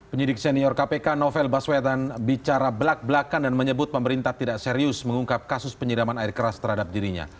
penyidik senior kpk novel baswedan bicara belak belakan dan menyebut pemerintah tidak serius mengungkap kasus penyiraman air keras terhadap dirinya